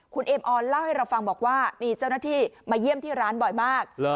คุณเอมออนเล่าให้เราฟังบอกว่ามีเจ้าหน้าที่มาเยี่ยมที่ร้านบ่อยมาก